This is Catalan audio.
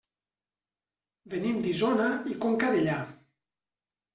Venim d'Isona i Conca Dellà.